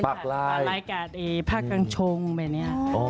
ปลาลายกาดพระกังชงแบบนี้